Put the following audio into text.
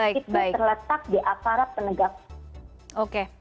itu terletak di aparat penegak